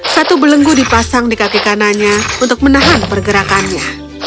satu belenggu dipasang di kaki kanannya untuk menahan pergerakannya